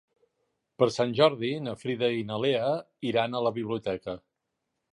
Per Sant Jordi na Frida i na Lea iran a la biblioteca.